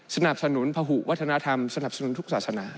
สนับสนุนพหุวัฒนธรรมสนับสนุนทุกศาสนา